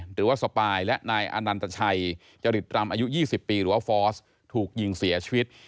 หรือว่าสปายและนายอนันตชัยจริตรำอายุ๒๐ปีหรือว่าฟอร์สถูกยิงเสียชีวิต